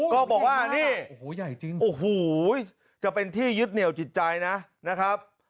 ก็บอกว่านี่โอ้โหจะเป็นที่ยึดเหนียวจิตใจนะครับ